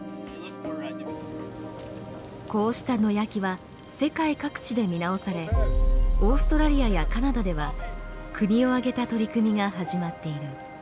こうした野焼きは世界各地で見直されオーストラリアやカナダでは国を挙げた取り組みが始まっている。